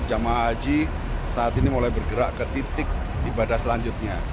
jemaah haji saat ini mulai bergerak ke titik ibadah selanjutnya